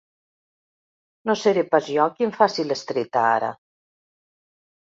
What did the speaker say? No seré pas jo qui em faci l'estreta, ara.